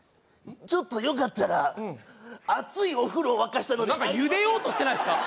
ちょっとよかったらうん熱いお風呂を沸かしたので何かゆでようとしてないですか？